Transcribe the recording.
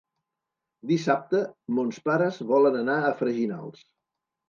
Dissabte mons pares volen anar a Freginals.